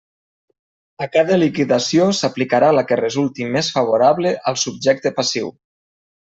A cada liquidació s'aplicarà la que resulti més favorable al subjecte passiu.